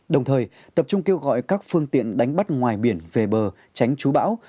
đồng thời tập trung kêu gọi các phương tiện đánh bắt ngoài biển về bờ tránh chú bão